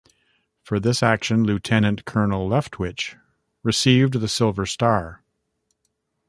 For this action, Lieutenant Colonel Leftwich received the Silver Star.